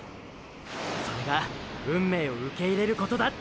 それが運命を受け入れることだって！！